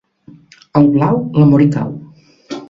Al blau l'amor hi cau.